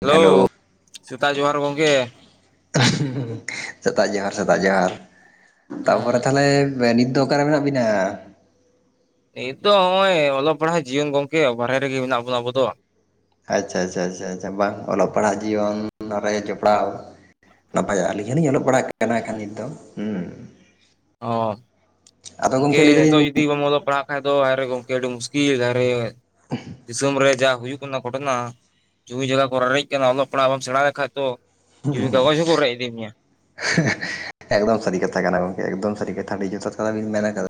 Hello, ᱥᱮᱛᱟᱜ ᱡᱚᱦᱟᱨ ᱜᱚᱢᱠᱮ᱾ [inaudible] ᱥᱮᱛᱟᱜ ᱡᱚᱦᱟᱨ ᱥᱮᱛᱟᱜ ᱡᱚᱦᱟᱨ ᱛᱟᱯᱚᱨᱮ ᱦᱩᱸ ᱛᱟᱦᱞᱮ ᱱᱤᱛ ᱫᱚ ᱚᱠᱟᱨᱮ ᱢᱮᱱᱟᱜ ᱵᱤᱱᱟ ᱾ ᱱᱤᱛ ᱫᱚ ᱱᱚᱜᱼᱚᱭ ᱚᱞᱚᱜ ᱯᱟᱲᱦᱟᱜ ᱡᱤᱭᱚᱱ ᱜᱚᱝᱠᱮ, ᱵᱟᱨᱦᱮ ᱨᱮᱜᱮ ᱢᱮᱱᱟᱜ ᱵᱚᱱᱟ ᱟᱵᱚ ᱫᱚ᱾ ᱟᱪᱪᱷᱟ ᱟᱪᱪᱷᱟ ᱟᱪᱪᱷᱟ ᱟᱪᱪᱷᱟ ᱵᱟᱝ ᱚᱞᱚᱜ ᱯᱟᱲᱦᱟᱜ ᱡᱤᱭᱚᱱ ᱨᱮ ᱡᱚᱯᱲᱟᱣ᱾ ᱱᱟᱯᱟᱭᱚᱜᱟ ᱟᱹᱞᱤᱧ ᱦᱚᱸᱞᱤᱧ ᱚᱞᱚᱜ ᱯᱟᱲᱟᱜ ᱠᱟᱱᱟ ᱠᱷᱟᱡ ᱱᱤᱛ ᱫᱚ ᱦᱩᱸ᱾ ᱚ ᱟᱫᱚ ᱜᱚᱢᱠᱮ ᱞᱟᱹᱭ ᱱᱤᱛᱚᱜ ᱫᱟᱞᱤᱧ ᱡᱩᱫᱤ ᱵᱟᱢ ᱚᱞᱚᱜ ᱯᱟᱲᱦᱟᱜ ᱠᱷᱟᱱ ᱫᱚ [inaudible] ᱜᱚᱢᱠᱮ ᱟᱹᱰᱤ ᱢᱩᱥᱠᱤᱞ [inaudible] ᱫᱤᱥᱚᱢ ᱨᱮ ᱡᱟ ᱦᱩᱭᱩᱜ ᱜᱷᱚᱴᱚᱱᱟ, ᱡᱩᱢᱤ ᱡᱟᱭᱜᱟ ᱠᱚ ᱨᱟᱨᱮᱡ ᱠᱟᱱᱟ, ᱚᱞᱚᱜ ᱯᱟᱲᱦᱟᱜ ᱵᱟᱢ ᱥᱮᱬᱟ ᱞᱮᱠᱷᱟᱡ ᱛᱚ᱾ [inaudible] [inaudible] ᱮᱠᱫᱚᱢ ᱥᱟᱹᱨᱤ ᱠᱟᱛᱷᱟ ᱠᱟᱱᱟ ᱜᱚᱝᱠᱮ ᱮᱠᱫᱚᱢ ᱥᱟᱹᱨᱤ ᱠᱟᱛᱷᱟ ᱟᱹᱰᱤ ᱡᱚᱫᱷᱟᱛᱚ ᱠᱟᱛᱷᱟ ᱵᱤᱱ ᱢᱮᱱ ᱠᱟᱫᱟ ᱾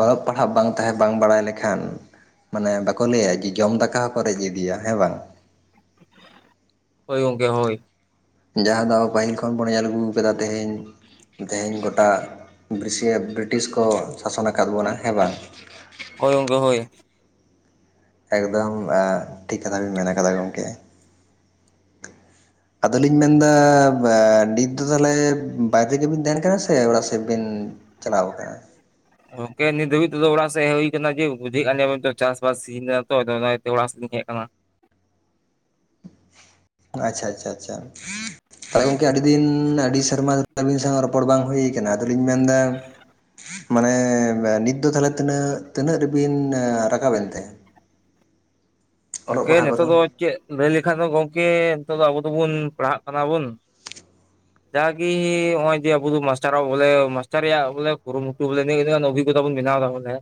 ᱚᱞᱚᱜ ᱯᱟᱲᱦᱟᱜ ᱵᱟᱝ ᱛᱟᱦᱮᱸ ᱵᱟᱝ ᱵᱟᱲᱟᱭ ᱞᱮᱠᱷᱟᱱ ᱾ ᱢᱟᱱᱮ ᱵᱟᱠᱚ ᱞᱟᱹᱭᱟ ᱡᱮ ᱡᱚᱢ ᱫᱟᱠᱟ ᱦᱚᱸᱠᱚ ᱨᱮᱡ ᱤᱫᱤᱭᱟ ᱦᱮᱸ ᱵᱟᱝ᱾ ᱦᱳᱭ ᱜᱚᱢᱠᱮ ᱦᱳᱭ᱾ ᱡᱟᱸᱦᱟᱸ ᱫᱚ ᱟᱵᱚ ᱯᱟᱹᱦᱤᱞ ᱠᱷᱚᱱ ᱵᱚᱱ ᱧᱮᱞ ᱟᱹᱜᱩ ᱠᱟᱫᱟ ᱛᱮᱦᱮᱧ᱾ ᱛᱮᱦᱮᱧ ᱜᱚᱴᱟ ᱵᱨᱤᱥᱤᱭᱟ ᱵᱨᱤᱴᱤᱥ ᱠᱚ ᱥᱟᱥᱚᱱ ᱟᱠᱟᱫ ᱵᱚᱱᱟ ᱦᱮᱸ ᱵᱟᱝ᱾ ᱦᱳᱭ ᱜᱚᱢᱠᱮ ᱦᱳᱭ᱾ ᱮᱠᱫᱚᱢ ᱟ ᱴᱷᱤᱠ ᱠᱟᱛᱷᱟ ᱵᱮᱱ ᱢᱮᱱ ᱠᱟᱫᱟ ᱜᱚᱝᱠᱮ ᱾ ᱟᱫᱚᱞᱤᱧ ᱢᱮᱱ ᱮᱫᱟ [inaudible] ᱱᱤᱛ ᱫᱚ ᱛᱟᱦᱚᱞᱮ ᱵᱟᱦᱨᱮ ᱨᱮᱜᱮᱵᱤᱱ ᱛᱟᱦᱮᱱ ᱠᱟᱱᱟ ᱥᱮ ᱚᱲᱟᱜ ᱥᱮᱫ ᱵᱤᱱ ᱪᱟᱞᱟᱣ ᱠᱟᱱᱟ ᱾ ᱜᱚᱝᱠᱮ ᱱᱤᱛ ᱫᱷᱟᱹᱵᱤᱡ ᱛᱮᱫ ᱚᱲᱟᱜᱮᱫ ᱦᱮᱡ ᱜᱚᱢᱠᱮ ᱱᱤᱛ ᱫᱷᱟᱵᱤᱡ ᱫᱚ ᱚᱲᱟᱜ ᱥᱮᱫ ᱦᱮᱡ ᱦᱳᱭ ᱟᱠᱟᱱᱟ ᱡᱮ ᱵᱩᱡᱷᱟᱹᱜ ᱮᱫᱵᱮᱱ ᱛᱚ ᱪᱟᱥᱵᱟᱥ ᱥᱤᱡᱤᱱ ᱠᱟᱱᱟ ᱛᱚ ᱚᱱᱟᱛᱮ ᱚᱲᱟᱜ ᱥᱮᱫᱞᱤᱧ ᱦᱮᱡ ᱟᱠᱟᱱᱟ ᱾ ᱟᱪᱪᱷᱟ ᱟᱪᱪᱷᱟ ᱟᱪᱪᱷᱟ ᱟᱫᱚ ᱜᱚᱝᱠᱮ ᱟᱹᱰᱤ ᱫᱤᱱ ᱟᱹᱰᱤ ᱥᱮᱨᱢᱟ ᱟᱹᱵᱤᱱ ᱥᱟᱶ ᱨᱚᱯᱚᱲ ᱵᱟᱝ ᱦᱩᱭ ᱠᱟᱱᱟ ᱟᱫᱚᱞᱤᱧ ᱢᱮᱱᱫᱟ ᱾ ᱢᱟᱱᱮ ᱱᱤᱛ ᱫᱚ ᱛᱟᱦᱞᱮ ᱛᱤᱱᱟᱹᱜ, ᱛᱤᱱᱟᱹᱜ ᱨᱮᱵᱤᱱ ᱨᱟᱠᱟᱵᱮᱱ ᱛᱮ᱾ ᱜᱚᱢᱠᱮ ᱯᱟᱲᱦᱟᱜ ᱠᱚᱫᱚ ᱱᱤᱛᱚᱜ ᱫᱚ ᱪᱮᱫ ᱞᱟᱹᱭ ᱞᱮᱠᱷᱟᱱ ᱫᱚ ᱜᱚᱢᱠᱮ ᱱᱤᱛᱚᱜ ᱟᱵᱚ ᱫᱚᱵᱚᱱ ᱯᱟᱲᱦᱟᱜ ᱠᱟᱱᱟ ᱵᱚᱱ᱾ [inaudible] ᱡᱟ ᱜᱤ ᱱᱚᱳᱸᱭ ᱟᱵᱚ ᱫᱚ ᱢᱟᱥᱴᱟᱨᱮᱭᱟ ᱵᱚᱞᱮ ᱢᱟᱥᱴᱟᱨ ᱨᱮᱭᱟᱜ ᱵᱚᱞᱮ ᱠᱩᱨᱩᱴᱩᱴᱩ [inaudible] ᱵᱷᱤᱜᱚᱛᱟ ᱵᱚᱱ ᱵᱮᱱᱟᱣᱫᱟ ᱵᱚᱞᱮ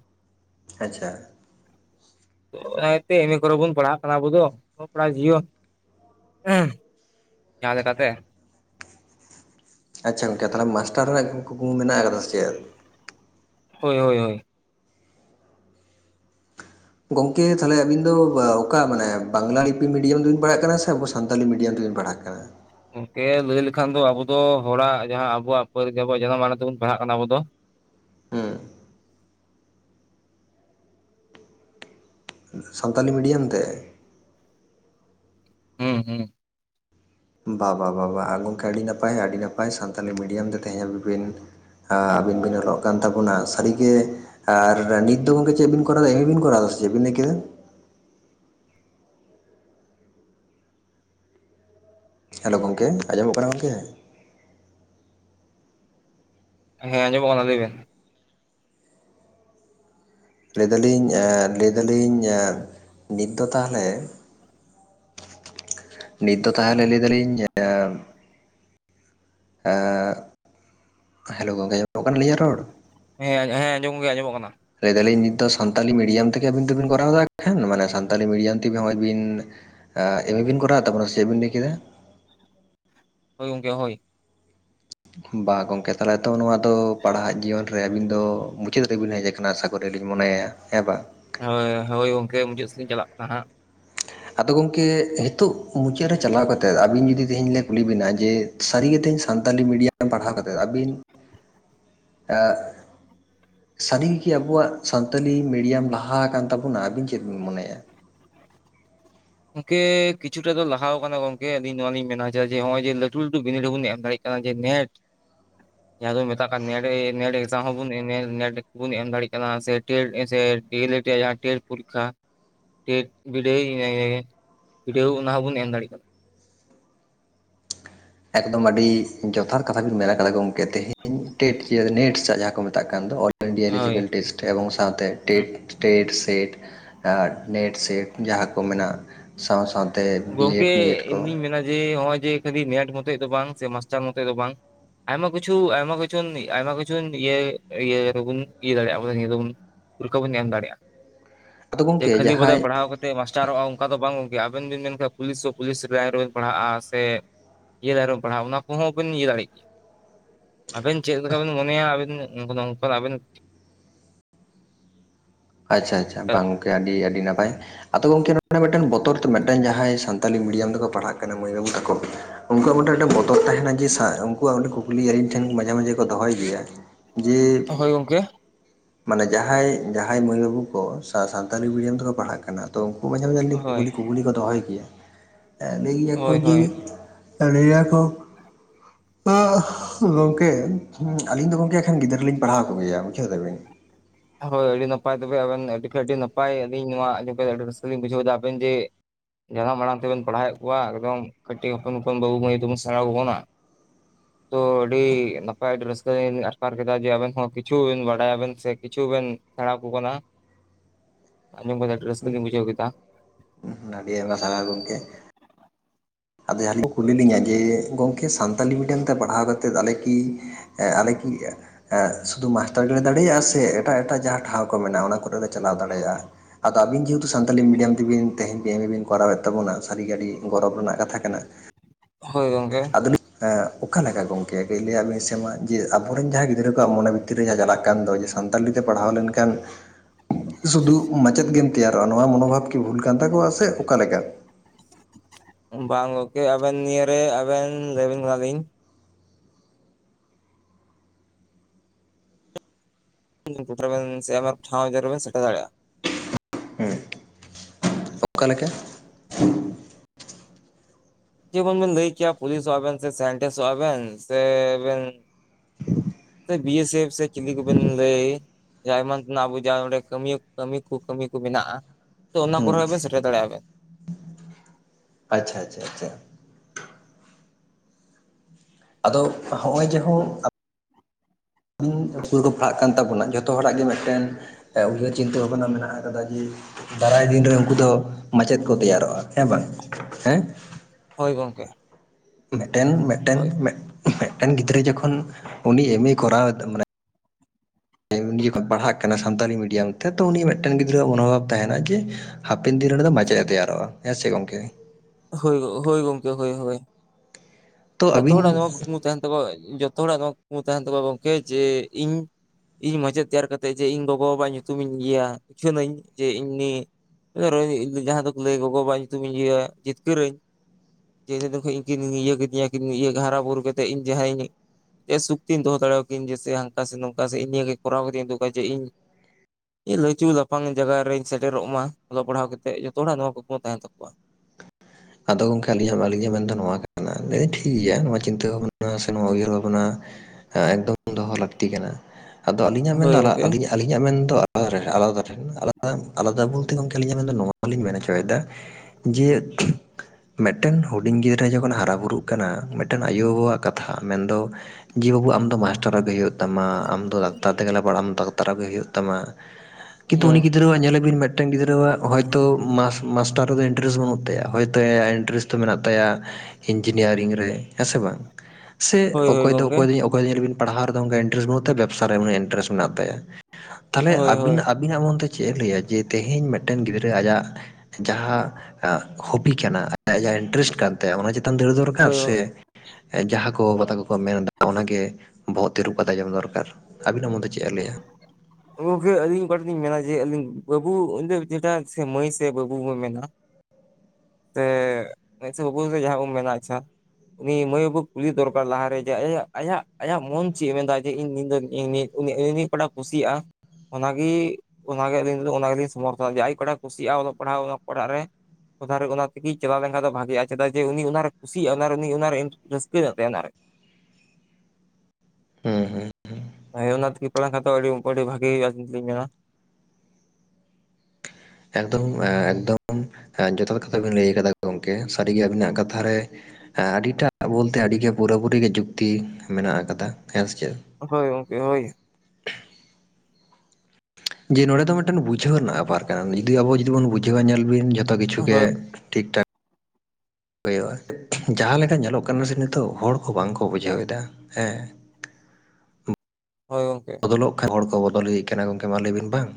ᱟᱪᱪᱷᱟ [inaudible] ᱠᱚᱨᱮ ᱵᱚᱱ ᱯᱟᱲᱦᱟᱜ ᱠᱟᱱᱟ ᱟᱵᱚ ᱫᱚ, ᱚᱞᱚᱜ ᱯᱟᱲᱦᱟᱜ ᱡᱤᱭᱚᱱ [inaudible] ᱡᱟᱸᱦᱟᱸ ᱞᱮᱠᱟᱛᱮ ᱟᱪᱪᱷᱟ ᱜᱚᱝᱠᱮ ᱛᱟᱦᱚᱞᱮ ᱢᱟᱥᱴᱟᱨ ᱨᱮᱱᱟᱜ ᱠᱩᱠᱢᱩ ᱢᱮᱱᱟᱜ ᱟᱠᱟᱫᱟ ᱥᱮ ᱪᱮᱫ? ᱦᱳᱭ ᱦᱳᱭ ᱦᱳᱭ ᱜᱚᱝᱠᱮ ᱛᱟᱦᱚᱞᱮ ᱟᱵᱤᱱ ᱫᱚ ᱚᱠᱟ ᱢᱟᱱᱮ ᱵᱟᱝᱞᱟ ᱞᱤᱯᱤ ᱢᱤᱰᱤᱭᱟᱢ ᱫᱚᱵᱤᱱ ᱯᱟᱲᱦᱟᱜ ᱠᱟᱱᱟ ᱥᱮ ᱥᱟᱱᱛᱟᱞᱤ ᱢᱤᱰᱤᱭᱟᱢ ᱛᱮᱵᱮᱱ ᱯᱟᱲᱦᱟᱜ ᱠᱟᱱᱟ ᱾ ᱜᱚᱝᱠᱮ ᱞᱟᱹᱭ ᱞᱮᱠᱷᱟᱱ ᱫᱚ ᱟᱵᱚ ᱫᱚ ᱦᱚᱲᱟᱜ ᱡᱟᱸᱦᱟᱸ ᱟᱵᱚᱣᱟᱜ ᱯᱟᱹᱨ ᱟᱵᱚᱣᱟᱜ ᱡᱟᱱᱟᱢ ᱟᱲᱟᱝ ᱛᱮᱵᱚᱱ ᱯᱟᱲᱦᱟᱜ ᱠᱟᱱᱟ ᱟᱵᱚ ᱫᱚ᱾ ᱦᱩᱸ ᱥᱟᱱᱛᱟᱞᱤ ᱢᱤᱰᱤᱭᱟᱢ ᱛᱮ᱾ ᱦᱩᱸ ᱦᱩᱸ ᱵᱟᱵᱟ ᱵᱟᱵᱟ ᱟᱨ ᱜᱚᱢᱠᱮ ᱟᱹᱰᱤ ᱱᱟᱯᱟᱭ ᱟᱹᱰᱤ ᱱᱟᱯᱟᱭ ᱥᱟᱱᱛᱟᱞᱤ ᱢᱤᱰᱤᱭᱟᱢ ᱛᱮᱦᱮᱧ ᱟᱵᱤ ᱵᱤᱱ ᱾ ᱦᱮᱸ ᱟᱹᱵᱤᱱ ᱵᱤᱱ ᱚᱞᱚᱜ ᱠᱟᱱ ᱛᱟᱵᱚᱱᱟ ᱥᱟᱹᱨᱤ ᱜᱮ ᱾ ᱟᱨ ᱱᱤᱛ ᱫᱚ ᱜᱚᱝᱠᱮ ᱪᱮᱫ ᱵᱤᱱ ᱠᱚᱨᱟᱣᱫᱟ ᱮᱢᱮ ᱵᱤᱱ ᱠᱚᱨᱟᱣᱫᱟ ᱥᱮ ᱪᱮᱫ ᱵᱤᱱ ᱞᱮᱭ ᱠᱮᱫᱟ ᱾ ᱦᱮᱞᱳ ᱜᱚᱢᱠᱮ ᱟᱸᱡᱚᱢᱚᱜ ᱠᱟᱱᱟ ᱜᱚᱝᱠᱮ ᱾ ᱦᱮᱸ ᱟᱸᱡᱚᱢᱚᱜ ᱠᱟᱱᱟ ᱞᱮᱭ ᱵᱮᱱ ᱾ ᱞᱮᱭ ᱫᱟᱞᱤᱧ ᱞᱮᱭᱫᱟᱞᱤᱧ ᱮᱸ ᱱᱤᱛ ᱫᱚ ᱛᱟᱦᱚᱞᱮ ᱾ ᱱᱤᱛ ᱫᱚ ᱛᱟᱦᱞᱮ ᱞᱮᱭ ᱫᱟᱞᱤᱧ ᱡᱮ ᱾ ᱮᱸ ᱦᱮᱞᱳ ᱜᱚᱝᱠᱮ ᱟᱡᱚᱢᱚ ᱠᱟᱱᱟ ᱟᱞᱤᱧᱟᱜ ᱨᱚᱲ ᱾ ᱦᱮᱸ ᱦᱮᱸ ᱟᱡᱚᱢ ᱜᱮ ᱟᱡᱚᱢᱚᱜ ᱠᱟᱱᱟ ᱾ ᱞᱮᱭ ᱫᱟᱞᱤᱧ ᱱᱤᱛ ᱫᱚ ᱥᱟᱱᱛᱟᱞᱤ ᱢᱤᱰᱤᱭᱟᱢ ᱛᱮᱜᱮ ᱟᱵᱤᱱ ᱫᱚᱵᱤᱱ ᱠᱚᱨᱟᱣ ᱮᱫᱟ ᱠᱷᱟᱱ ᱢᱟᱱᱮ ᱥᱟᱱᱛᱟᱞᱤ ᱢᱤᱰᱤᱭᱟᱢ ᱛᱮᱜᱮ ᱦᱚᱸᱜ ᱚᱭ ᱵᱤᱱ ᱾ ᱮᱸ ᱮᱢ ᱮ ᱵᱤᱱ ᱠᱚᱨᱟᱣ ᱫᱟ ᱥᱮᱜ ᱵᱤᱱ ᱞᱮᱭ ᱠᱮᱫᱟ ᱾ ᱦᱳᱭ ᱜᱚᱝᱠᱮ ᱦᱳᱭ ᱾ ᱵᱟᱝ ᱜᱚᱝᱠᱮ ᱛᱟᱦᱚᱞᱮ ᱛᱚ ᱱᱚᱣᱟ ᱫᱚ ᱯᱟᱲᱦᱟᱜ ᱡᱤᱭᱚᱱ ᱨᱮ ᱟᱵᱤᱱ ᱫᱚ ᱾ ᱢᱩᱪᱳᱫ ᱨᱮᱵᱤᱱ ᱦᱮᱡ ᱟᱠᱟᱱᱟ ᱟᱥᱟ ᱠᱚ ᱨᱮᱞᱤᱧ ᱢᱚᱱᱮᱭᱟ ᱦᱮᱸ ᱵᱟᱝ ᱾ ᱦᱳᱭ ᱦᱳᱭ ᱜᱚᱝᱠᱮ ᱢᱩᱪᱟᱹᱫ ᱥᱮᱫ ᱤᱧ ᱪᱟᱞᱟᱜ ᱠᱟᱱᱟ ᱦᱟᱸᱜ ᱾ ᱟᱫᱚ ᱜᱚᱢᱠᱮ ᱱᱤᱛᱚᱜ ᱢᱩᱪᱟᱹᱫ ᱨᱮ ᱪᱟᱞᱟᱣ ᱠᱟᱛᱮ ᱟᱵᱤᱱ ᱡᱩᱫᱤ ᱛᱮᱦᱮᱧ ᱞᱮ ᱠᱩᱞᱤ ᱵᱮᱱᱟ ᱡᱮ ᱾ ᱥᱟᱹᱨᱤ ᱜᱮ ᱛᱮᱦᱮᱧ ᱥᱟᱱᱛᱟᱞᱤ ᱢᱤᱰᱤᱭᱟᱢ ᱯᱟᱲᱦᱟᱣ ᱠᱟᱛᱮᱜ ᱟᱵᱤᱱ ᱮᱸᱜ ᱾ ᱥᱟᱨᱤᱜᱮᱠᱤ ᱟᱵᱚᱣᱟᱜ ᱥᱟᱱᱛᱟᱞᱤ ᱢᱤᱰᱤᱭᱟᱢ ᱞᱟᱦᱟ ᱟᱠᱟᱱ ᱛᱟᱵᱚᱱᱟ ᱟᱵᱤᱱ ᱪᱮᱫ ᱵᱤᱱ ᱢᱚᱱᱮᱭᱟ ᱾ ᱜᱚᱝᱠᱮ ᱠᱤᱪᱷᱩᱴᱟ ᱫᱚ ᱞᱟᱦᱟᱣ ᱠᱟᱱᱟ ᱜᱚᱝᱠᱮ ᱟᱞᱤᱧ ᱱᱚᱣᱟ ᱞᱤᱧ ᱢᱮᱱᱟᱪ ᱡᱮ ᱱᱚᱜ ᱚᱭ ᱡᱮ ᱞᱟᱹᱴᱩ ᱞᱟᱹᱴᱩ ᱵᱤᱱᱤᱰ ᱦᱚᱵᱤᱱ ᱮᱢ ᱫᱟᱲᱮᱭᱟᱜ ᱠᱟᱱᱟ ᱡᱮ ᱱᱮᱴ ᱾ [inaudible] ᱡᱟᱸᱦᱟᱸ ᱫᱚᱵᱚ ᱢᱮᱛᱟᱜ ᱠᱟᱱᱟ ᱱᱮᱴ ᱱᱮᱴ ᱮᱠᱡᱟᱢ ᱦᱚᱸᱵᱚᱱ ᱮᱢ [unintelligible] ᱫᱟᱲᱮᱭᱟᱜ ᱠᱟᱱᱟ ᱥᱮᱜ ᱴᱮᱴ ᱦᱮᱥᱮ ᱰᱤ ᱮᱞ ᱮᱰ ᱡᱟᱦᱟ ᱾ ᱴᱮᱴ ᱯᱚᱨᱤᱠᱠᱷᱟ ᱴᱮᱴ ᱵᱤᱰᱟᱹᱣ [unintelligible] ᱵᱤᱰᱳᱣ ᱚᱱᱟ ᱦᱚᱸᱵᱚᱱ ᱮᱢ ᱫᱟᱲᱮᱭᱟᱜ ᱠᱟᱱᱟ ᱾ ᱮᱠᱫᱚᱢ ᱟᱹᱰᱤ ᱡᱚᱛᱷᱟᱛ ᱠᱟᱛᱷᱟ ᱵᱤᱱ ᱢᱮᱱ ᱠᱟᱫᱟ ᱜᱚᱢᱠᱮ ᱛᱮᱦᱮᱧ ᱾ ᱴᱮᱴ ᱱᱮᱴ ᱡᱟᱦᱟᱸ ᱠᱚ ᱢᱮᱛᱟᱜ ᱠᱟᱱ ᱫᱚ ᱚᱞ ᱤᱱᱰᱤᱭᱟ ᱦᱳᱭ ᱮᱞᱤᱡᱤᱵᱮᱞ ᱴᱮᱥᱴ ᱮᱵᱚᱝ ᱥᱟᱶ ᱛᱮ TET. TET SET NET SET ᱡᱟᱸᱦᱟᱸ ᱠᱚ ᱢᱮᱱᱟᱜ ᱾ ᱥᱟᱶ ᱥᱟᱶ ᱛᱮ ᱾ ᱜᱚᱝᱠᱮ ᱤᱧᱦᱩᱧ ᱢᱮᱱᱟ ᱡᱮ ᱱᱚᱜ ᱚᱭ ᱡᱮ ᱠᱷᱟᱹᱞᱤ ᱱᱮᱴ ᱢᱚᱛᱚᱡ ᱫᱚ ᱵᱟᱝ ᱥᱮ ᱢᱟᱥᱴᱟᱨ ᱢᱚᱛᱚᱡ ᱫᱚ ᱵᱟᱝ ᱾ ᱟᱭᱢᱟ ᱠᱤᱪᱷᱩ ᱟᱭᱢᱟ ᱠᱤᱪᱷᱩ ᱟᱭᱢᱟ ᱠᱤᱪᱷᱩᱱ ᱤᱭᱟᱹ ᱤᱭᱟᱹ ᱨᱮᱵᱚᱱ ᱤᱭᱟᱹ ᱫᱟᱲᱮᱭᱟᱜᱵᱚᱱ ᱱᱤᱭᱟᱹ ᱫᱚᱵᱚᱱ ᱾ ᱯᱷᱩᱞᱠᱟ ᱵᱚᱱ ᱮᱢ ᱫᱟᱲᱮᱭᱟᱜᱼᱟ ᱾ ᱟᱫᱚ ᱡᱮ ᱜᱚᱢᱠᱮ ᱠᱷᱟᱹᱞᱤ ᱵᱚᱞᱮ ᱡᱟᱦᱟᱸᱭ ᱯᱟᱲᱦᱟᱣ ᱠᱟᱛᱮᱜ ᱢᱟᱥᱴᱟᱨᱚᱜᱼᱟ ᱚᱱᱠᱟ ᱫᱚ ᱵᱟᱝ ᱜᱚᱢᱠᱮ ᱟᱵᱮᱱ ᱵᱮᱱ ᱢᱮᱱ ᱾ ᱯᱩᱞᱤᱥ ᱦᱚᱸ ᱯᱩᱞᱤᱥ ᱞᱟᱭᱤᱱ ᱨᱮᱵᱤᱱ ᱯᱟᱲᱦᱟᱜᱼᱟ ᱥᱮ ᱾ ᱤᱭᱟᱹ ᱫᱟᱨᱮ [unintelligible] ᱯᱟᱲᱦᱟᱣ ᱚᱱᱟ ᱠᱚᱦᱚᱸ ᱵᱚᱱ ᱤᱭᱟᱹ ᱫᱟᱲᱮᱭᱟᱜ ᱜᱮᱭᱟ ᱾ ᱟᱵᱮᱱ ᱪᱮᱫ ᱞᱮᱠᱟ ᱵᱮᱱ ᱢᱚᱱᱮᱭᱟ ᱟᱵᱤᱱ ᱱᱚᱝ [unintelligible] ᱟᱵᱮᱱ ᱾ ᱟᱪᱪᱷᱟ ᱟᱪᱪᱷᱟ ᱵᱟᱝ ᱜᱚᱝᱠᱮ ᱟᱹᱰᱤ ᱟᱹᱰᱤ ᱱᱟᱯᱟᱭ ᱾ ᱟᱫᱚ ᱜᱚᱢᱠᱮ ᱱᱚᱰᱮ ᱢᱤᱫᱴᱮᱱ ᱵᱚᱛᱚᱨ ᱛᱚ ᱢᱮᱫᱴᱮᱱ ᱡᱟᱸᱦᱟᱸᱭ ᱥᱟᱱᱛᱟᱞᱤ ᱢᱤᱰᱤᱭᱟᱢ ᱛᱮᱠᱚ ᱯᱟᱲᱦᱟᱜ ᱠᱟᱱᱟ ᱢᱟᱹᱭ ᱵᱟᱹᱵᱩ ᱛᱟᱠᱚ ᱾ ᱩᱱᱠᱩᱣᱟᱜ ᱢᱤᱫᱴᱮᱱ ᱢᱤᱫᱴᱮᱱ ᱵᱚᱛᱚᱨ ᱛᱟᱸᱦᱮᱱᱟ ᱡᱮ ᱩᱱᱠᱩᱣᱟᱜ ᱢᱤᱫᱴᱮᱱ ᱠᱩᱠᱞᱤ ᱟᱹᱞᱤᱧ ᱴᱷᱮᱱ ᱢᱟᱡᱮ ᱢᱟᱡᱮ ᱠᱚ ᱼ ᱫᱚᱦᱚᱭ ᱜᱮᱭᱟ ᱾ ᱡᱮ ᱦᱳᱭ ᱜᱚᱝᱠᱮ ᱢᱟᱱᱮ ᱡᱟᱸᱦᱟᱸᱭ ᱡᱟ ᱾ ᱡᱟᱸᱦᱟᱸᱭ ᱢᱟᱹᱭ ᱵᱟᱹᱵᱩ ᱠᱚ ᱥᱟᱶ ᱥᱟᱱᱛᱟᱞᱤ ᱢᱤᱰᱤᱭᱟᱢ ᱛᱮᱠᱚ ᱯᱟᱲᱦᱟᱜ ᱠᱟᱱᱟ ᱾ ᱛᱚ ᱩᱱᱠᱩ ᱢᱟᱡᱮ ᱢᱟᱡᱮ ᱦᱳᱭ ᱠᱩᱠᱚᱞᱤ ᱠᱩᱠᱞᱤ ᱠᱚ ᱫᱚᱦᱚᱭ ᱜᱮᱭᱟ ᱞᱟᱹᱭ ᱜᱮᱭᱟ ᱠᱚ ᱦᱳᱭ ᱡᱮ ᱦᱳᱭ ᱾ ᱞᱮᱭᱟ ᱠᱚ ᱾ ᱦᱟᱸᱜ ᱜᱚᱝᱠᱮ ᱟᱹᱞᱤᱧ ᱫᱚ ᱜᱚᱢᱠᱮ ᱠᱷᱟᱱ ᱜᱤᱫᱽᱨᱟᱹ ᱞᱤᱧ ᱯᱟᱲᱦᱟᱣ ᱠᱚ ᱜᱮᱭᱟ ᱵᱩᱡᱷᱟᱹᱣ ᱫᱟᱵᱮᱱ ᱾ ᱦᱳᱭ ᱟᱹᱰᱤ ᱱᱟᱯᱟᱭ ᱛᱚᱵᱮ ᱟᱵᱮᱱ ᱟᱹᱰᱤ ᱠᱷᱟᱱ ᱟᱹᱰᱤ ᱱᱟᱯᱟᱭ ᱟᱹᱞᱤᱧ ᱱᱚᱣᱟ ᱟᱡᱚᱢ ᱠᱟᱛᱮ ᱨᱟᱹᱥᱠᱟ ᱞᱤᱧ ᱵᱩᱡᱷᱟᱹᱣ ᱫᱟ ᱟᱵᱤᱱ ᱡᱮ ᱾ ᱡᱟᱱᱟᱢ ᱟᱲᱟᱝ ᱛᱮᱵᱮᱱ ᱯᱟᱲᱦᱟᱣᱮᱫ ᱠᱚᱣᱟ ᱮᱠᱫᱚᱢ ᱠᱟᱹᱴᱤᱡ ᱦᱚᱯᱚᱱ ᱦᱚᱯᱚᱱ ᱵᱟᱹᱵᱩ ᱢᱟᱹᱭ ᱛᱟᱵᱚᱱ ᱥᱮᱬᱟ ᱟᱠᱚᱠᱟᱱᱟ ᱾ ᱛᱚ ᱟᱹᱰᱤ ᱱᱟᱯᱟᱭ ᱟᱹᱰᱤ ᱨᱟᱹᱥᱠᱟᱹᱧ ᱟᱨᱠᱟᱨ ᱠᱮᱫᱟ ᱡᱮ ᱟᱵᱮᱱ ᱦᱚᱸ ᱠᱤᱪᱷᱩᱵᱤᱱ ᱵᱟᱰᱟᱭᱟ ᱵᱤᱱ ᱥᱮ ᱠᱤᱪᱷᱩ ᱵᱮᱱ ᱥᱮᱬᱟ ᱟᱠᱚ ᱠᱟᱱᱟ᱾ ᱟᱸᱡᱚᱢ ᱠᱟᱛᱮ ᱟᱹᱰᱤ ᱨᱟᱹᱥᱠᱟᱹ ᱞᱤᱧ ᱵᱩᱡᱷᱟᱹᱣ ᱠᱮᱫᱟ ᱾ ᱟᱹᱰᱤ ᱟᱭᱢᱟ ᱥᱟᱨᱦᱟᱣ ᱜᱚᱢᱠᱮ ᱾ ᱟᱫᱚᱞᱤ ᱠᱩᱞᱤ ᱦᱳᱭ ᱞᱤᱧᱟ ᱡᱮ ᱜᱚᱢᱠᱮ ᱥᱟᱱᱛᱟᱞᱤ ᱢᱤᱰᱤᱭᱟᱢ ᱛᱮ ᱯᱟᱲᱦᱟᱣ ᱠᱟᱛᱮᱫ ᱟᱞᱮ ᱠᱤ ᱮᱸᱜ ᱟᱞᱮ ᱠᱤ ᱮᱸᱜ ᱥᱩᱫᱷᱩ ᱢᱟᱥᱴᱟᱨ ᱜᱮᱞᱮ ᱫᱟᱲᱮᱭᱟᱜᱼᱟ ᱥᱮ ᱮᱴᱟᱜ ᱮᱴᱟᱜ ᱡᱟᱸᱦᱟᱸ ᱴᱷᱟᱶ ᱠᱚ ᱢᱮᱱᱟᱜᱼᱟ ᱚᱱᱟ ᱠᱚᱨᱮ ᱞᱮ ᱪᱟᱞᱟᱣ ᱫᱟᱲᱮᱭᱟᱜᱼᱟ? ᱟᱫᱚ ᱟᱵᱤᱱ ᱡᱮᱦᱮᱛᱩ ᱥᱟᱱᱛᱟᱞᱤ ᱢᱤᱰᱟᱢ ᱛᱮᱵᱤᱱ ᱛᱮᱦᱤᱧ ᱮᱢ ᱮ ᱵᱤᱱ ᱠᱚᱨᱟᱣᱮᱫ ᱛᱟᱵᱚᱱᱟ ᱥᱟᱹᱨᱤᱜᱮ ᱟᱹᱰᱤ ᱜᱚᱨᱚᱵᱽ ᱨᱮᱱᱟᱜ ᱠᱟ ᱛᱷᱟ ᱠᱟᱱᱟ᱾ ᱦᱳᱭ ᱜᱚᱝᱠᱮ᱾ ᱟᱹᱞᱤᱧ ᱟᱸ ᱚᱠᱟᱞᱮᱠᱟ ᱜᱚᱝᱠᱮ ᱠᱟᱹᱡ ᱞᱟᱹᱭᱟᱜ ᱵᱤᱱ ᱥᱮᱢᱟ ᱡᱮ ᱟᱵᱚᱨᱮᱱ ᱡᱟᱦᱟᱸᱭ ᱜᱤᱫᱽᱨᱟᱹ ᱠᱚᱣᱟᱜ ᱢᱚᱱᱮ ᱵᱷᱤᱛᱤᱨ ᱨᱮ ᱡᱟᱦᱟᱸ ᱪᱟᱞᱟᱜ ᱠᱟᱱ ᱫᱚ ᱮ ᱥᱟᱱᱛᱟᱲᱤ ᱛᱮ ᱯᱟᱲᱦᱟᱣ ᱞᱮᱱᱠᱷᱟᱱ ᱥᱩᱫᱩ ᱢᱟᱪᱮᱫ ᱜᱮᱢ ᱛᱮᱭᱟᱨᱚᱜᱼᱟ ᱱᱚᱣᱟ ᱢᱚᱱᱳᱵᱷᱟᱵ ᱠᱤ ᱵᱷᱩᱞ ᱠᱟᱱ ᱛᱟᱠᱚᱣᱟ ᱥᱮ ᱚᱠᱟᱞᱮᱠᱟ? ᱵᱟᱝ ᱜᱚᱝᱠᱮ ᱟᱵᱮᱱ ᱱᱤᱭᱟᱹᱨᱮ ᱟᱵᱮᱱ ᱞᱮᱟᱹᱭᱵᱮᱱ ᱠᱟᱱᱟᱞᱤᱧ ᱴᱚᱴᱷᱟ ᱨᱮ ᱥᱮ ᱴᱷᱟᱶ ᱨᱮᱵᱮᱱ ᱥᱮᱴᱮᱨ ᱫᱟᱲᱮᱭᱟᱜᱼᱟ᱾ ᱦᱮᱸ ᱚᱠᱟ ᱞᱮᱠᱟ? ᱦ [unintelligible] ᱡᱮᱢᱚᱱ ᱵᱮᱱ ᱞᱟᱹᱭ ᱠᱮᱭᱟ ᱯᱩᱞᱤᱥᱚᱜ-ᱟ ᱵᱮᱮᱱ ᱥᱮ ᱥᱮᱭᱤᱱᱤᱴᱤᱥᱴᱚᱜ ᱟᱵᱮᱱ ᱥᱮᱵᱮᱱ ᱵᱤ ᱭᱮ ᱥᱮᱯᱷ ᱥᱮ ᱪᱤᱞᱤ ᱠᱚᱵᱤᱱ ᱞᱟᱹᱭ ᱡᱟ ᱟᱭᱢᱟ ᱛᱮᱱᱟᱜ ᱵᱩᱡᱟ ᱚᱸᱰᱮ ᱠᱟᱹᱢᱭᱟᱹ ᱠᱟᱹᱢᱤ ᱠᱚ ᱠᱟᱹᱢᱤ ᱠᱚ ᱢᱮᱱᱟᱜᱼᱟ, ᱛᱚ ᱚᱱᱟ ᱦᱮᱸ ᱠᱚᱨᱮ ᱦᱚᱸ ᱵᱮᱱ ᱥᱮᱴᱮᱨ ᱫᱟᱲᱮᱭᱟᱜᱼᱟ ᱵᱮᱱ᱾ ᱟᱪᱪᱷᱟ ᱟᱪᱷᱟ ᱟᱪᱪᱷᱟ᱾ ᱟᱫᱚ ᱦᱚᱸᱜ-ᱚᱭ ᱡᱮᱦᱚᱸ ᱠᱩᱧ ᱟᱛᱳ ᱫᱚ ᱯᱟᱲᱦᱟᱜ ᱠᱟᱱ ᱛᱟᱵᱚᱱᱟ ᱡᱷᱚᱛᱚ ᱦᱚᱲᱟᱜ ᱜᱮ ᱢᱤᱫᱴᱮᱱ ᱮ ᱩᱭᱦᱟᱹᱨ ᱪᱤᱱᱛᱟᱹ ᱵᱷᱟᱵᱱᱟ ᱢᱮᱱᱟᱜ ᱠᱟᱫᱟ ᱡᱮ ᱫᱟᱨᱟᱭ ᱫᱤᱱ ᱨᱮ ᱩᱱᱠᱩ ᱫᱚ ᱢᱟᱪᱮᱫ ᱠᱚ ᱛᱮᱭᱟᱨᱚᱜ-ᱟ ᱦᱮᱸ ᱵᱟᱝ ᱦᱮᱸ? ᱦᱳᱭ ᱜᱚᱝᱠᱮ᱾ ᱢᱮᱴᱮᱱ ᱢᱤᱫᱴᱮᱱ ᱦᱳᱭ ᱢᱤᱫᱴᱮᱱ ᱜᱤᱫᱽᱨᱟᱹ ᱡᱚᱠᱷᱚᱱ ᱩᱱᱤ ᱮᱢ ᱮ ᱠᱚᱨᱟᱣ ᱢᱟᱱᱮ ᱱᱤᱡᱮ ᱠᱷᱚ ᱯᱟᱲᱦᱟᱜ ᱠᱟᱱᱟ ᱥᱟᱱᱛᱟᱞᱤ ᱢᱤᱰᱤᱭᱟᱢ ᱛᱮ ᱛᱚ ᱩᱱᱤ ᱢᱤᱫᱴᱮᱱ ᱜᱤᱫᱽᱨᱟᱹᱣᱟᱜ ᱢᱚᱱᱳᱵᱷᱟᱵᱽ ᱛᱟᱦᱮᱸᱱᱟ ᱡᱮ ᱦᱟᱯᱮᱱ ᱫᱤᱱ ᱨᱮ ᱫᱚ ᱢᱟᱪᱮᱫ ᱮ ᱛᱮᱭᱟᱨᱚᱜ-ᱟ ᱦᱮᱸᱥᱮ ᱜᱚᱝᱠᱮ? ᱦᱳᱭ ᱜᱚ ᱦᱳᱭ ᱜᱚᱢᱠᱮ ᱦᱳᱭ ᱦᱳᱭ ᱛᱚ ᱡᱷᱚᱛᱚ ᱟᱹᱵᱤᱱ ᱦᱚᱲᱟᱜ ᱱᱚᱣᱟ ᱠᱩᱠᱢᱩ ᱛᱟᱦᱮᱸᱱ ᱛᱟᱠᱚᱣᱟ ᱡᱚᱛᱚ ᱦᱚᱲᱟᱜ ᱱᱚᱣᱟ ᱠᱩᱠᱢᱩ ᱛᱟᱦᱮᱸᱱ ᱛᱟᱠᱚᱣᱟ ᱜᱚᱢᱠᱮ ᱡᱮ ᱤᱧ ᱤᱧ ᱢᱟᱪᱮᱫ ᱛᱮᱭᱟᱨ ᱠᱟᱛᱮᱫ ᱡᱮ ᱤᱧ ᱜᱚᱜᱚ ᱵᱟᱵᱟ ᱧᱩᱛᱩᱢ ᱤᱧ ᱤᱭᱟᱹᱭ ᱩᱪᱷᱟᱹᱱᱱᱟᱹᱧ ᱡᱮ ᱤᱧᱱᱤ [unintelligible] ᱡᱟᱦᱟᱸ ᱫᱚᱠᱚ ᱞᱟᱹᱭᱟ ᱜᱚᱜᱚ ᱵᱟᱵᱟ ᱧᱩᱛᱩᱢᱤᱧ ᱤᱭᱟᱹᱭ ᱡᱤᱛᱠᱟᱹᱨᱟᱹᱧ᱾ [unintelligible] ᱤᱧ ᱠᱤᱱ ᱤᱭᱟᱹ ᱠᱤᱫᱤᱧᱟ ᱠᱤᱭᱟᱹ ᱦᱟᱨᱟᱼ ᱵᱩᱨᱩ ᱠᱟᱛᱮᱫ ᱤᱧ ᱡᱟᱦᱟᱸᱭ ᱤᱧ ᱡᱮ ᱥᱩᱠᱛᱤᱧ ᱫᱚᱦᱚ ᱫᱟᱲᱮᱭᱟᱠᱤᱧ ᱡᱮᱥᱮ ᱦᱟᱝᱠᱟ ᱥᱮ ᱱᱚᱝᱠᱟ ᱥᱮ ᱱᱤᱭᱤᱭᱟᱹᱟᱹᱜᱮ ᱠᱚᱨᱟᱣ ᱠᱟᱛᱮᱧ ᱩᱫᱩᱜᱟ, ᱡᱮ ᱤᱧ ᱞᱟᱹᱪᱩ ᱞᱟᱯᱷᱟᱝ ᱡᱟᱜᱟ ᱨᱮᱧ ᱥᱮᱴᱮᱨᱚᱜ ᱢᱟ ᱚᱞᱚᱜ ᱯᱟᱲᱦᱟᱣ ᱠᱟᱛᱮᱜ, ᱡᱷᱚᱛᱚ ᱦᱚᱲᱟᱜ ᱱᱚᱣᱟ ᱠᱩᱠᱢᱩ ᱛᱟᱦᱮᱸᱱ ᱛᱟᱠᱚᱣᱟ᱾ ᱟᱫᱚ ᱜᱚᱢᱠᱮ ᱟᱹᱞᱤᱧᱟᱜ [inaudible] ᱞᱤᱧᱟ ᱢᱮᱱᱫᱟ ᱱᱚᱣᱟ ᱠᱟᱱᱟ ᱞᱟᱹᱭᱫᱟᱹᱧ ᱴᱷᱤᱠ ᱜᱮᱭᱟ ᱱᱚᱣᱟ ᱪᱤᱱᱛᱟᱹ ᱵᱷᱟᱵᱱᱟ ᱥᱮ ᱱᱚᱣᱟ ᱩᱭᱦᱟᱹᱨ ᱵᱷᱟᱵᱽᱱᱟ ᱮᱠᱫᱚᱢ ᱫᱚᱦᱚ ᱞᱟᱹᱠᱛᱤ ᱠᱟᱱᱟ ᱟᱫᱚ ᱟᱹᱞᱤᱧᱟᱜ ᱦᱳᱭ ᱢᱮᱱᱫᱚ ᱜᱚᱝᱠᱮ ᱦᱮᱸ ᱟᱹᱞᱤᱧᱟᱜ ᱟᱹᱞᱤᱧᱟᱜ ᱢᱮᱱᱫᱚ ᱟᱞᱟᱫᱟ ᱟᱞᱟᱫᱟ ᱟᱞᱟᱫᱟ ᱵᱚᱞᱛᱮ ᱜᱚᱢᱠᱮᱞᱤᱧ ᱢᱮᱱᱫᱚ ᱱᱚᱣᱟ ᱦᱚᱸᱞᱤᱧ ᱢᱮᱱ ᱦᱚᱪᱚᱭᱟ, ᱡᱮ ᱢᱤᱫᱴᱮᱱ ᱦᱩᱰᱤᱧ ᱜᱤᱫᱽᱨᱟᱹ ᱡᱚᱠᱷᱚᱱ ᱦᱟᱨᱟ ᱵᱩᱨᱩᱜ ᱠᱟᱱᱟ ᱢᱤᱫᱴᱮᱱ ᱟᱭᱳ ᱵᱟᱵᱟᱣᱟᱜ ᱠᱟᱛᱷᱟ, ᱢᱮᱱᱫᱚ ᱡᱮ ᱵᱟᱹᱵᱩ ᱟᱢ ᱫᱚ ᱢᱟᱥᱴᱟᱨᱟᱜ ᱜᱮ ᱦᱩᱭᱩᱜ ᱛᱟᱢᱟ ᱟᱢ ᱫᱚ ᱰᱟᱠᱛᱟᱨ ᱛᱮᱜᱮ ᱯᱟᱲᱦᱟᱜ ᱟᱢ ᱫᱚ ᱰᱟᱠᱛᱟᱨᱟᱜ ᱜᱮ ᱦᱩᱭᱩᱜ ᱛᱟᱢᱟ᱾ ᱠᱤᱱᱛᱩ ᱩᱱᱤ ᱜᱤᱫᱽᱨᱟᱹᱣᱟᱜ ᱧᱮᱞᱮᱫ ᱵᱤᱱ ᱢᱤᱫᱴᱮᱱ ᱜᱤᱫᱽᱨᱟᱹᱣᱟᱜ ᱦᱚᱭᱛᱚ ᱢᱟᱥ ᱢᱟᱥᱴᱟᱨ ᱨᱮᱫᱚ ᱤᱱᱴᱟᱨᱮᱥᱴ ᱵᱟᱹᱱᱩᱜ ᱛᱟᱭᱟ ᱦᱚᱭ ᱛᱮ ᱟᱭᱟᱜ ᱤᱱᱴᱟᱨᱮᱥᱴ ᱫᱚ ᱢᱮᱱᱟᱜ ᱛᱟᱭᱟ ᱤᱧᱡᱤᱱᱤᱭᱟᱨᱤᱝ ᱨᱮ, ᱦᱮᱸ ᱥᱮ ᱵᱟᱝ? ᱥᱮ ᱦᱳᱭ ᱦᱳᱭ ᱚᱠᱚᱭ ᱫᱚ ᱜᱚᱝᱠᱮ ᱚᱠᱚᱭ ᱫᱚ ᱚᱠ ᱚᱠᱚᱭ ᱧᱮᱞ ᱵᱤᱱ ᱯᱟᱲᱦᱟᱣ ᱨᱮᱫᱚ ᱚᱱᱠᱟ ᱤᱱᱴᱟᱨᱮᱥᱴ ᱵᱟᱹᱱᱩᱜ ᱛᱟᱭᱟ ᱵᱮᱵᱽᱥᱟ ᱨᱮ ᱩᱱᱟᱜ ᱤᱱᱴᱟᱨᱮᱥᱴ ᱢᱮᱱᱟᱜ ᱛᱟᱭᱟ᱾ [inaudible] ᱛᱟᱦᱞᱮ ᱦᱳᱭ ᱟᱹᱵᱤᱱ ᱦᱳᱭ ᱟᱵ ᱟᱵᱤᱱᱟᱜ ᱢᱚᱱᱛᱮ ᱪᱮᱫ ᱮ ᱞᱟᱹᱭᱟ ᱡᱮ ᱛᱮᱦᱮᱧ ᱢᱤᱫᱴᱮᱱ ᱜᱤᱫᱽᱨᱟᱹ ᱟᱭᱟᱜ ᱡᱟᱦᱟᱸ ᱟ ᱦᱚᱠ [unintelligible] ᱠᱟᱱᱟ ᱟᱭᱟᱜ ᱤᱱᱴᱟᱨᱮᱥᱴ ᱠᱟᱱ ᱛᱟᱭᱟ ᱚᱱᱟ ᱪᱮᱛᱟᱱ ᱫᱟᱹᱲ ᱫᱚᱨᱠᱟᱨ ᱦᱳᱭ ᱥᱮ ᱡᱟᱦᱟᱸ ᱠᱚ ᱵᱟᱫᱷᱟ ᱠᱚᱠᱚ ᱢᱮᱱ ᱮᱫᱟ ᱚᱱᱟᱜᱮ ᱵᱚᱦᱚᱜ ᱛᱤᱨᱩᱵ ᱠᱟᱛᱮ ᱟᱸᱡᱚᱢ ᱫᱚᱨᱠᱟᱨ ᱾ ᱟᱹᱵᱤᱱᱟᱜ ᱢᱚᱱᱛᱮ ᱪᱮᱫ ᱮ ᱞᱟᱹᱭᱟ? ᱜᱚᱝᱠᱮ ᱟᱹᱞᱤᱧ ᱚᱠᱟᱴᱮᱱ ᱞᱤᱧ ᱢᱮᱱᱟ ᱡᱮ ᱟᱹᱞᱤᱧ ᱵᱟᱹᱵᱩ [unintelligible] ᱥᱮ ᱢᱟᱹᱭ ᱥᱮ ᱵᱟᱹᱵᱩ ᱵᱚᱱ ᱢᱮᱱᱟ [inaudible] ᱮ ᱟᱪᱪᱷᱟ ᱵᱟᱹᱵᱩ ᱡᱟᱦᱟᱸ ᱵᱚᱱ ᱢᱮᱱᱟ ᱟᱪᱪᱷᱟ ᱾ ᱩᱱᱤ ᱢᱟᱹᱭ ᱵᱟᱹᱵᱩ ᱠᱩᱞᱤ ᱫᱚᱨᱠᱟᱨ ᱞᱟᱦᱟᱨᱮ ᱡᱮ ᱟᱭᱟᱜ ᱟᱭᱟᱜ ᱟᱭᱟᱜ ᱢᱚᱱ ᱪᱮᱫ ᱮ ᱢᱮᱱ ᱮᱫᱟ ᱡᱮ ᱤᱧ [unintelligible] ᱱᱤᱛ ᱩᱱᱤ [unintelligible] ᱠᱩᱥᱤᱭᱟᱜ-ᱟ ᱾ ᱚᱱᱟᱜᱮ ᱚᱱᱟᱜᱮ ᱟᱹᱞᱤᱧ ᱫᱚ ᱚᱱᱟ ᱜᱮᱞᱤᱧ ᱥᱚᱢᱚᱨᱛᱷᱚᱱᱟ ᱟᱡ ᱚᱠᱟᱴᱟᱜᱟᱭ ᱠᱩᱥᱤᱭᱟᱜ-ᱟ ᱚᱞᱚᱜ ᱯᱟᱲᱦᱟᱜ ᱯᱟᱲᱦᱟᱜ ᱨᱮ ᱚᱱᱟ ᱨᱮ ᱚᱱᱟ ᱛᱮᱜᱤ ᱪᱟᱞᱟᱣ ᱞᱮᱱᱠᱷᱟᱡ ᱫᱚ ᱵᱷᱟᱜᱤᱜ-ᱟ, ᱪᱮᱫᱟᱜ ᱡᱮ ᱩᱱᱤ ᱚᱱᱟ ᱨᱮ ᱠᱩᱥᱤᱭᱟᱜ-ᱟ ᱚᱱᱟ ᱨᱮ ᱩᱱᱤ ᱚᱱᱟ ᱨᱮ ᱨᱟᱹᱥᱠᱟᱹ ᱦᱮᱱᱟᱜ ᱛᱟᱭᱟ ᱱᱟᱦᱟᱜ ᱾ [inaudible] ᱦᱩᱸ ᱦᱩᱸ ‌ [inaudible] [unintelligible] ᱮᱠᱫᱚᱢ ᱮᱠᱫᱚᱢ ᱡᱚᱛᱷᱟᱛ ᱠᱟᱛᱷᱟ ᱵᱤᱱ ᱞᱟᱹᱭ ᱟᱠᱟᱫᱟ ᱜᱚᱢᱠᱮ ᱥᱟᱹᱨᱤ ᱜᱮ ᱟᱹᱵᱤᱱᱟᱜ ᱠᱟᱛᱷᱟ ᱨᱮ ᱦᱮᱸ ᱟᱹᱰᱤᱴᱟᱜ ᱵᱚᱞᱛᱮ ᱟᱹᱰᱤ ᱜᱮ ᱯᱩᱨᱟᱹ ᱯᱩᱨᱤ ᱜᱮ ᱡᱩᱠᱛᱤ ᱢᱮᱱᱟᱜ ᱟᱠᱟᱫᱟ ᱦᱮᱸ ᱥᱮ ᱪᱮᱫ? ᱦᱳᱭ ᱜᱚᱝᱠᱮ ᱦᱳᱭ ᱾ ᱡᱮ ᱱᱚᱸᱰᱮ ᱫᱚ ᱢᱤᱫᱴᱮᱱ ᱵᱩᱡᱷᱟᱹᱣ ᱨᱮᱱᱟᱜ ᱵᱮᱯᱟᱨ ᱠᱟᱱᱟ [unintelligible] ᱟᱵᱚ ᱡᱩᱫᱤ ᱵᱚᱱ ᱵᱩᱡᱷᱟᱹᱣᱟ ᱧᱮᱞ ᱵᱤᱱ ᱡᱷᱚ ᱛᱚ ᱠᱤᱪᱷᱩ ᱜᱮ ᱦᱳᱭ ᱴᱷᱤᱠ ᱴᱷᱟᱠ ᱦᱩᱭᱩᱜᱼᱟ ᱾ ᱡᱟᱦᱟᱸ ᱞᱮᱠᱟ ᱧᱮᱞᱚᱜ ᱠᱟᱱᱟ ᱥᱮ ᱱᱤᱛᱚᱜ ᱦᱚᱲ ᱠᱚ ᱵᱟᱝᱠᱚ ᱵᱩᱡᱷᱟᱹᱣ ᱮᱫᱟ ᱦᱮᱸ ᱾ [inaudible] ᱦᱩᱸ ᱾ ᱦᱳᱭ ᱜᱚᱝᱠᱮ ᱾ ᱵᱚᱫᱚᱞᱚᱜ ᱠᱷᱟᱡ ᱦᱚᱲ ᱠᱚ ᱵᱚᱫᱚᱞ ᱤᱫᱤᱜ ᱠᱟᱱᱟ, ᱜᱚᱢᱠᱮ ᱢᱟ ᱞᱟᱹᱭ ᱵᱤᱱ ᱵᱟᱝ?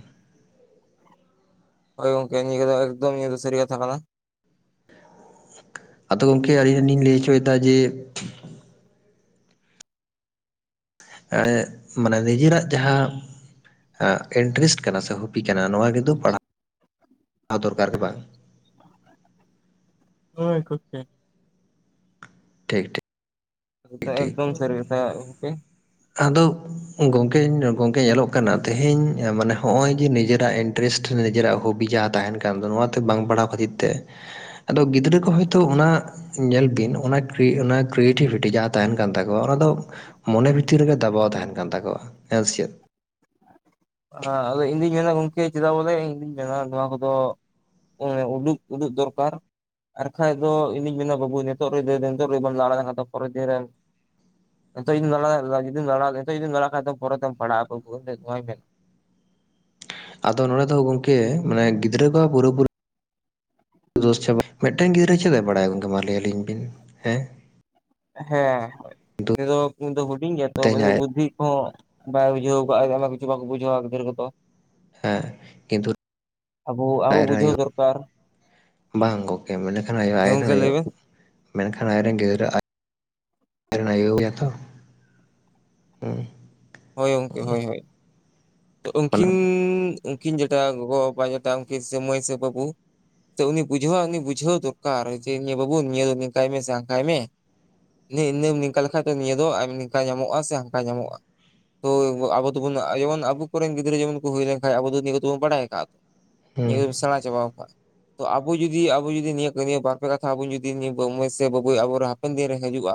ᱦᱳᱭ ᱜᱚᱝᱠᱮ ᱱᱤᱭᱟᱹ ᱠᱚᱫᱚ ᱮᱠᱫᱚᱢ ᱥᱟᱹᱨᱤ ᱠᱟᱛᱷᱟ ᱠᱟᱱᱟ ᱾ ᱟᱫᱚ ᱜᱚᱝᱠᱮ ᱟᱹᱞᱤᱧ ᱦᱚᱸ ᱞᱤᱧ ᱞᱟᱹᱭ ᱦᱚᱪᱚᱭ ᱮᱫᱟ ᱡᱮ ᱮᱸᱜ ᱢᱟᱱᱮ ᱱᱤᱡᱮᱨᱟᱜ ᱡᱟᱦᱟᱸ ᱤᱱᱴᱮᱨᱮᱥᱴ ᱠᱟᱱᱟ ᱥᱮ ᱦᱚᱵᱤ ᱠᱟᱱᱟ ᱱᱚᱜ-ᱚᱭ ᱨᱮᱫᱚ ᱯᱟᱲᱟᱜ [inaudible] ᱟᱨ ᱫᱚᱨᱠᱟᱨ ᱫᱚ ᱵᱟᱝ ᱾ ᱦᱳᱭ ᱜᱚᱝᱠᱮ ᱾ ᱴᱷᱤᱠ ᱴᱷᱤᱠ ᱾ ᱦᱮᱸ ᱮᱠᱫᱚᱢ ᱥᱟᱹᱨᱤ ᱠᱟᱛᱷᱟ ᱵᱤᱱ ᱟᱫᱚ ᱜᱚᱝᱠᱮ ᱜᱚᱝᱠᱮ ᱧᱮᱞᱚᱜ ᱠᱟᱱᱟ ᱛᱮᱦᱮᱧ ᱢᱟᱱᱮ ᱦᱚᱜ-ᱚᱭ ᱡᱮ ᱱᱤᱡᱮᱨᱟᱜ ᱤᱱ ᱴᱨᱮᱥᱴ ᱨᱮ ᱱᱤᱡᱮᱨᱟᱜ ᱦᱚᱵᱤ ᱡᱟᱦᱟᱸ ᱛᱟᱦᱮᱱ ᱠᱟᱱ ᱫᱚ ᱱᱚᱣᱟ ᱛᱮ ᱵᱟᱝ ᱵᱟᱲᱦᱟᱣ ᱠᱷᱟᱹᱛᱤᱨ ᱛᱮ [inaudible] ᱟᱫᱚ ᱜᱤᱫᱽᱨᱟᱹ ᱠᱚ ᱦᱚᱭᱛᱳ ᱚᱱᱟ ᱧᱮᱞ-ᱵᱤᱱ ᱚᱱᱟ ᱠᱨᱤ ᱚᱱᱟ ᱠᱨᱤᱭᱮᱴᱤᱼᱵᱷᱤᱴᱤ ᱡᱟᱦ ᱛᱟᱦᱮᱱ ᱠᱟᱱ ᱛᱟᱠᱚᱣᱟ ᱚᱱᱟ ᱫᱚ ᱢᱚᱱᱮ ᱵᱷᱤᱛᱤᱨ ᱨᱮ ᱜᱮ ᱫᱟᱵᱟᱣ ᱛᱟᱦᱮᱱ ᱠᱟᱱ ᱛᱟᱠᱚᱣᱟ ᱦᱮᱸ ᱥᱮ ᱪᱮᱫ? ᱦᱮᱸ ᱟᱫᱚ ᱤᱧᱫᱩᱧ ᱢᱮᱱᱟ ᱜᱚᱝᱠᱮ ᱪᱮᱫᱟᱜ ᱵᱚᱞᱮ ᱤᱧᱫᱩᱧ ᱢᱮᱱᱟ ᱱᱚᱣᱟ ᱠᱚ ᱫᱚ ᱚᱻ ᱩᱰᱩᱠ ᱩᱰᱩᱜ ᱫᱚᱨᱠᱟᱨ ᱾ ᱟᱨ ᱵᱟᱠᱷᱟᱡ ᱫᱚ ᱤᱧ-ᱫᱩᱧ ᱢᱮᱱᱟ ᱵᱟᱹᱵᱩ ᱱᱤᱛᱚᱜ ᱨᱮ ᱱᱤᱛᱚᱜ ᱨᱮᱵᱚᱱ ᱞᱟᱲᱟ ᱞᱮᱠᱷᱟᱱ ᱯᱚᱨᱮᱨ ᱫᱤᱱ ᱨᱮ ᱱᱤᱛᱚᱜ ᱡᱩᱫᱤᱢ [unintelligible] ᱡᱩᱫᱤᱢ ᱞᱟᱲᱟᱣ ᱠᱷᱟᱡ ᱫᱚ ᱯᱚᱨᱮᱛᱮᱢ ᱯᱟᱲᱦᱟᱜᱼᱟ ᱵᱟᱵᱩ [unintelligible] ᱟᱫᱚ ᱱᱚᱸᱰᱮ ᱫᱚ ᱜᱚᱝᱠᱮ ᱢᱟᱱᱮ ᱜᱤᱫᱽᱨᱟᱹ ᱫᱚ ᱯᱩᱨᱟᱹ ᱯᱩᱨᱤ [unintelligible] ᱢᱤᱫᱴᱮᱱ ᱜᱤᱫᱽᱨᱟᱹ ᱪᱮᱫ ᱵᱟᱭ ᱵᱟᱲᱟᱭᱟ ᱜᱚᱝᱠᱮ ᱢᱟ ᱞᱟᱹᱭ ᱟᱹᱞᱤᱧ ᱵᱤᱱ, ᱦᱮᱸ? ᱠᱤᱱᱛᱩ ᱦᱚᱸ ᱦᱚᱸ [inaudible] ᱦᱩᱰᱤᱧ ᱜᱮᱭᱟ ᱛᱚ ᱛᱮᱦᱮᱧ ᱟᱡ ᱵᱩᱫᱽ-ᱫᱷᱤ ᱠᱚ ᱦᱚᱸ ᱵᱟᱭ ᱵᱩᱡᱟᱹᱣ ᱠᱟᱜᱟᱭ ᱚᱱᱟ ᱠᱷᱟᱹᱛᱤᱨ ᱵᱟᱠᱚ ᱵᱩᱡᱷᱟᱹᱣᱟ ᱜᱤᱫᱽᱨᱟᱹ ᱠᱚᱫᱚ ᱾ ᱦᱮᱸ, ᱠᱤᱱᱛᱩ ᱟᱵᱚ ᱟᱵᱚ ᱟᱡ ᱨᱮᱱ ᱵᱩᱡᱷᱟᱹᱣ ᱟᱭᱳ ᱫᱚᱨᱠᱟᱨ [inaudible] ᱵᱟᱝ ᱜᱚᱢᱠᱮ ᱢᱚᱱᱮ ᱠᱷᱟᱱ [unintelligible] ᱟᱡ ᱦᱮᱸ ᱨᱮᱱ ᱜᱚᱝᱠᱮ ᱞᱟᱹᱭ ᱟᱭᱳ ᱵᱮᱱ ᱢᱮᱱ ᱠᱷᱟᱱ ᱟᱡᱨᱮᱱ ᱜᱤᱫᱽᱨᱟᱹ ᱟᱡ ᱨᱮᱱ ᱟᱭᱳ ᱜᱮ ᱛᱚ ᱦᱩᱸ ᱾ ᱦᱳᱭ ᱜᱚᱝᱠᱮ, ᱦᱳᱭ, ᱦᱳᱭ ᱛᱚ ᱦᱩᱸ ᱩᱱᱠᱤᱱ ᱠᱤᱱ ᱡᱮᱴᱟ ᱜᱚᱜᱚ ᱵᱟᱵᱟᱭ ᱡᱮᱴᱟ ᱢᱚᱭ ᱥᱮ ᱵᱟᱵᱩ ᱛᱚ ᱩᱱᱤ ᱵᱩᱡᱷᱟᱹᱣᱼᱟ ᱩᱱᱤ ᱵᱩᱡᱷᱟᱹᱣ ᱫᱚᱨᱠᱟᱨ ᱡᱮ, ᱱᱤᱭᱟᱹ ᱵᱟᱹᱵᱩ ᱱᱤᱭᱟᱹ ᱱᱤᱝᱠᱟᱭ ᱢᱮ ᱥᱮ ᱦᱟᱝᱠᱟᱭ ᱢᱮ ᱾ ᱱᱤᱱᱟᱹᱢ ᱱᱤᱝᱠᱟ ᱞᱮᱠᱷᱟᱡ ᱫᱚ ᱱᱤᱭᱟᱹ ᱫᱚ ᱱᱤᱝᱠᱟ ᱧᱟᱢᱚᱜᱼᱟ ᱥᱮ ᱦᱟᱱᱠᱟ ᱧᱟᱢᱚᱜᱼᱟ ᱾ ᱛᱚ ᱟᱵᱚ ᱫᱚᱵᱚᱱ ᱤᱭᱟᱹ ᱵᱚ ᱟᱵᱚ ᱠᱚᱨᱮᱱ ᱜᱤᱫᱽᱨᱟᱹ ᱡᱮᱢᱚᱱ ᱠᱚ ᱦᱩᱭ ᱞᱮᱠᱟᱡ, ᱟᱵᱚ ᱫᱚ ᱱᱤᱭᱟᱹ ᱠᱚ ᱫᱚ ᱵᱚᱱ ᱵᱟᱰᱟᱭ ᱭ ᱠᱟᱜᱼᱟ ᱾ ᱱᱤᱭᱟᱹ ᱠᱚ ᱦᱮᱸ ᱥᱮᱬᱟ ᱪᱟᱵᱟᱣ ᱠᱟᱜᱼᱟ ᱾ ᱛᱚ ᱟᱵᱚ ᱡᱩᱫᱤ ᱟᱵᱚ ᱡᱚᱫᱤ ᱱᱤᱭᱟᱹ, ᱱᱤᱭᱟᱹ ᱵᱟᱨ ᱯᱮ ᱠᱟᱛᱷᱟ ᱟᱵᱚ ᱡᱩᱫᱤ ᱱᱤᱭᱟᱹ ᱢᱟᱹᱭ ᱥᱮ ᱵᱟᱵᱩ ᱟᱵᱚ ᱦᱟᱯᱮᱱ ᱫᱤᱱ ᱨᱮ ᱦᱤᱡᱩᱜᱼᱟ᱾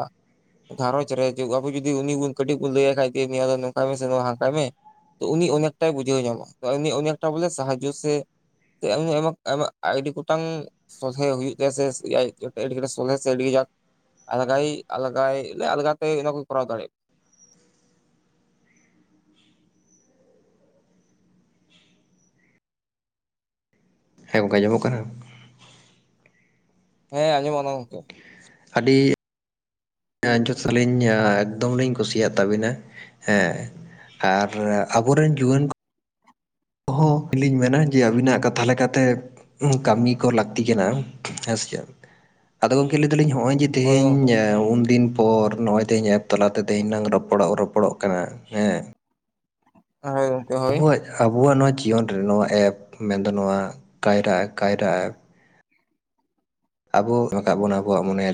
ᱜᱷᱟᱨᱚᱸᱧᱡᱽ ᱨᱮ ᱟᱵᱚ ᱡᱩᱫᱤ ᱩᱱᱤ ᱠᱟᱹᱴᱤᱡ ᱵᱚᱱ ᱞᱟᱹᱭ ᱟᱭ ᱠᱷᱟᱱ ᱡᱮ ᱱᱚᱝᱠᱟᱭ ᱢᱮᱥᱮ ᱦᱟᱱᱠᱟᱭ ᱢᱮ ᱾ ᱛᱚ ᱩᱱᱤ ᱚᱱᱮᱠᱴᱟᱭ ᱵᱩᱡᱷᱟᱹᱣ ᱧᱟᱢᱟ, ᱩᱱᱤ ᱚᱱᱮᱠᱴᱟ ᱵᱚᱞᱮ ᱥᱟᱦᱟᱡᱼᱡᱚ ᱥᱮ [inaudible] ᱟᱹᱰᱤ ᱠᱚᱴᱟᱝ ᱥᱚᱞᱦᱮ ᱦᱩᱭᱩᱜ ᱛᱟᱭᱟ ᱥᱮ [inaudible] ᱥᱚᱞᱦᱮ ᱥᱮ ᱟᱹᱰᱤ ᱜᱟᱡᱟᱠ ᱟᱞᱟᱜᱟᱭ, ᱟᱞᱜᱟᱭ ᱟᱞᱜᱟ ᱛᱮ ᱚᱱᱟ ᱠᱚ ᱠᱚᱨᱟᱣ ᱫᱟᱲᱮᱭᱟᱜᱼᱟ ᱾ ᱦᱮᱸ ᱜᱚᱝᱠᱮ ᱟᱸᱡᱚᱢᱼᱚᱜ ᱠᱟᱱᱟ? ᱦᱮᱸ ᱟᱸᱡᱚᱢᱚᱜ ᱠᱟᱱᱟ ᱜᱚᱝᱠᱮ ᱾ ᱟᱹᱰᱤ ᱡᱚᱛᱞᱤᱧ ᱮᱠᱫᱚᱢ ᱞᱤᱧ ᱠᱩᱥᱤᱭᱟᱜ ᱛᱟᱵᱤᱱᱟ ᱦᱮᱸ ᱾ ᱟᱨ ᱟᱵᱚᱨᱮᱱ ᱡᱩᱣᱟᱹᱱ ᱠᱚ ᱠᱚᱦᱚ ᱟᱹᱞᱤᱧ ᱢᱮᱱᱟ ᱡᱮ ᱟᱵᱤᱱᱟᱜ ᱠᱟᱛᱷᱟ ᱞᱮᱠᱟᱛᱮ ᱠᱟᱹᱢᱤ ᱠᱚ ᱞᱟᱹᱠᱛᱤ ᱠᱟᱱᱟ ᱦᱮᱸ ᱥᱮᱪᱮᱫ? ᱟᱫᱚ ᱜᱚᱢᱠᱮ ᱞᱟᱹᱭ ᱫᱟᱞᱤᱧ ᱱᱚᱜᱼᱚᱭ ᱡᱮ ᱦᱳᱭ ᱜᱚᱝᱠᱮ ᱛᱮᱦᱮᱧ ᱩᱱᱫᱤᱱ ᱯᱚᱨ ᱱᱚᱜᱼᱚᱭ ᱛᱮᱦᱮᱧ ᱮᱯ ᱛᱟᱞᱟᱛᱮ ᱛᱤᱦᱤᱧ ᱞᱟᱝ ᱨᱚᱯᱚᱲᱚᱜ, ᱨᱚᱯᱚᱲᱚᱜ ᱠᱟᱱᱟ ᱦᱮᱸ ᱾ [inaudible] ᱟᱵᱚᱣᱟᱜ, ᱟᱵᱚᱣᱟᱜ ᱱᱚᱣᱟ ᱡᱤᱭᱚᱱ ᱨᱮ ᱱᱚᱣᱟ ᱮᱯ ᱢᱮᱱᱫᱚ ᱱᱚᱣᱟ ᱠᱟᱭᱨᱟ ᱮᱯ, ᱠᱟᱭᱨᱟ ᱮᱯ ᱟᱵᱚ ᱟᱠᱟᱫ ᱵᱚᱱᱟ ᱟᱵᱚᱣᱟᱜ ᱢᱚᱱᱮᱭᱟ